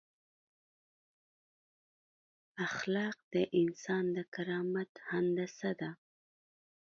اخلاق د انسان د کرامت هندسه ده.